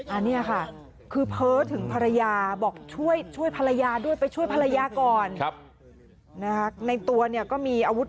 อันเนี่ยค่ะคือเพ้อถึงพระยาบอกช่วยช่วยพระยาด้วยไปช่วยพระยาก่อนนะในลวดก็มีอาวุธ